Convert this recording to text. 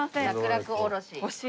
楽楽おろし。